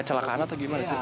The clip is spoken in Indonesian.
celakaan atau gimana sih